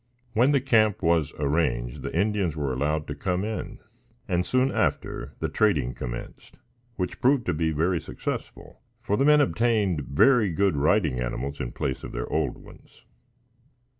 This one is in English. When the camp was arranged, the Indians were allowed to come in; and, soon after, the trading commenced, which proved to be very successful, for the men obtained very good riding animals in place of their old ones.